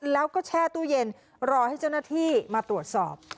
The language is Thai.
แล้วก็แช่ตู้เย็นรอให้เจ้าหน้าที่มาตรวจสอบ